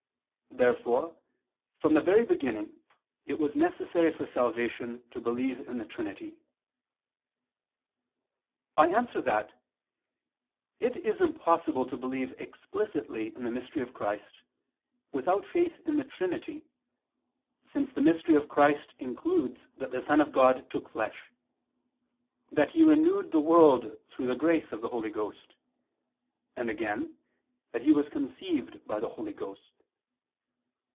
Therefore from the very beginning it was necessary for salvation to believe in the Trinity. I answer that, It is impossible to believe explicitly in the mystery of Christ, without faith in the Trinity, since the mystery of Christ includes that the Son of God took flesh; that He renewed the world through the grace of the Holy Ghost; and again, that He was conceived by the Holy Ghost.